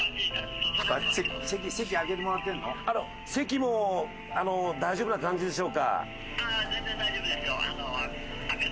あの席も大丈夫な感じでしょうか？